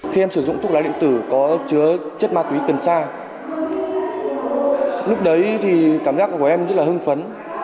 khi em sử dụng thuốc lá điện tử có chứa chất ma túy cần sa lúc đấy thì cảm giác của em rất là hưng phấn